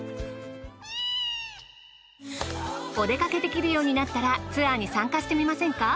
お出掛けできるようになったらツアーに参加してみませんか？